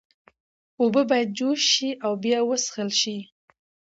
اوبه باید جوش شي او بیا وڅښل شي۔